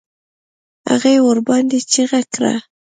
هغې ورباندې چيغه کړه.